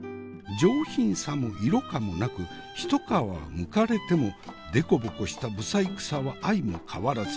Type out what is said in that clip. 上品さも色香もなく一皮むかれてもデコボコした不細工さは相も変わらず。